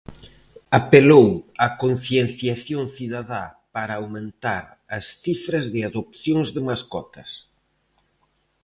Apelou á concienciación cidadá para aumentar as cifras de adopcións de mascotas.